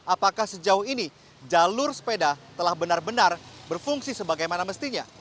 apakah sejauh ini jalur sepeda telah benar benar berfungsi sebagaimana mestinya